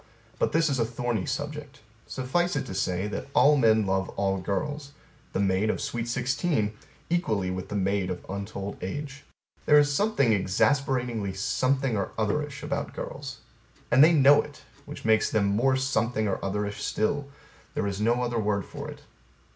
But this is a thorny subject. Suffice it to say that all men love all girls the maid of sweet sixteen equally with the maid of untold age. There is something exasperatingly something or otherish about girls. And they know it which makes them more something or otherish still: there is no other word for it.